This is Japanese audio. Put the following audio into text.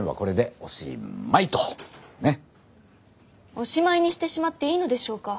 おしまいにしてしまっていいのでしょうか。